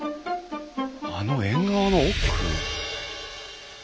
あの縁側の奥。